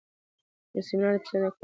يو سمينار د پښتو اکاډمۍ لخوا